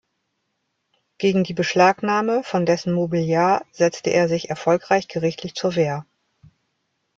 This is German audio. Gegen die Beschlagnahme von dessen Mobiliar setzte er sich erfolgreich gerichtlich zur Wehr.